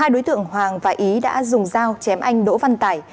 hai đối tượng hoàng và ý đã dùng dao chém anh đỗ văn tải